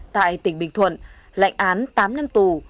tại tỉnh bình thuận lệnh án tám năm tù